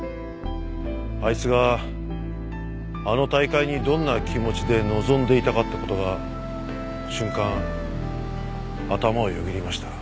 あいつがあの大会にどんな気持ちで臨んでいたかって事が瞬間頭をよぎりました。